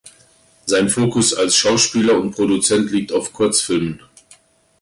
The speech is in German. Sein Fokus als Schauspieler und Produzent liegt auf Kurzfilmen.